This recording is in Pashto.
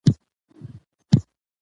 مور او پلار د ماشوم د تغذیې مسؤلیت لري.